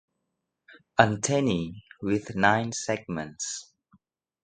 Antennae with nine segments.